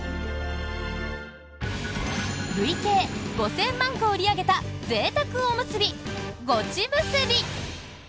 累計５０００万個売り上げたぜいたくおむすび、ごちむすび。